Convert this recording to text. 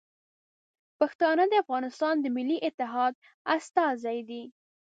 پښتانه د افغانستان د ملي اتحاد استازي دي.